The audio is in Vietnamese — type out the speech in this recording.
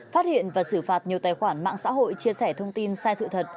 phát hiện và xử phạt nhiều tài khoản mạng xã hội chia sẻ thông tin sai sự thật